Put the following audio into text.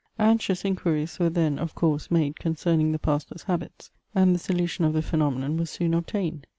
Anxious inquiries were then, of course, made concerning the pastor's habits; and the solution of the phenomenon was soon obtained.